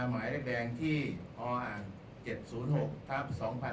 หมายแรกแรงที่อ๗๐๖ทัพ๒๕๕๙